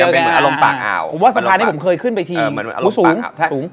ผมว่าสะพานที่ผมเคยขึ้นไปทีอ๋อสูง